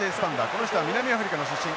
この人は南アフリカの出身。